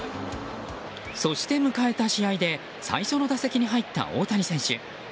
そして迎えた試合で最初の打席に入った大谷選手。